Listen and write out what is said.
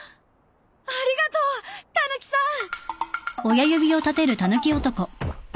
ありがとうたぬきさん。